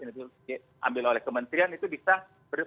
yang diambil oleh kementerian itu bisa